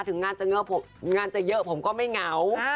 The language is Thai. ถึงงานจะเยอะผมก็ไม่เหงา